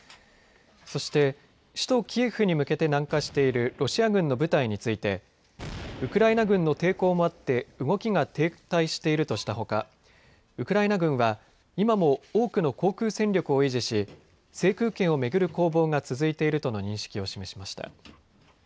そして、首都キエフに向けて南下しているロシア軍の部隊についてウクライナ軍の抵抗もあって動きが停滞しているとしたほかウクライナ軍は今も多くの航空戦力を維持し制空権を巡る攻防が続いているとの認識を示しました。